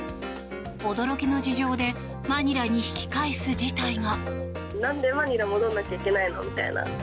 驚きの事情でマニラに引き返す事態が。